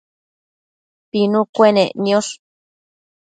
pinu cuenec niosh